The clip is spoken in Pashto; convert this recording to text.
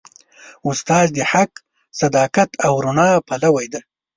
استاد د حق، صداقت او رڼا پلوي دی.